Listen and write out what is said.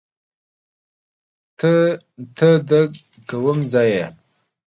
ته ده کوم ځای یې